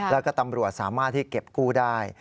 แล้วก็ตำรวจสามารถที่เก็บกู้ได้